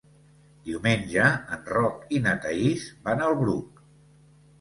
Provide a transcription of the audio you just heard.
Diumenge en Roc i na Thaís van al Bruc.